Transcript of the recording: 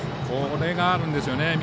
これがあるんですよね。